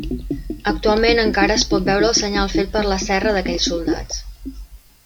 Actualment encara es pot veure el senyal fet per la serra d'aquells soldats.